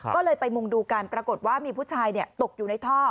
ก็เลยไปมุงดูกันปรากฏว่ามีผู้ชายตกอยู่ในท่อ